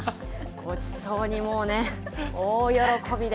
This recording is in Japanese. ごちそうに、もうね、大喜びで。